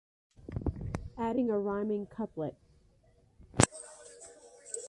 Adding a rhyming couplet.